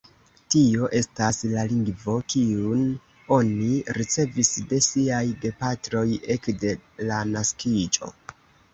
Tio estas la lingvo, kiun oni ricevis de siaj gepatroj ekde la naskiĝo.